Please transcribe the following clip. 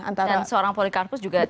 dan seorang polikarpus juga bebas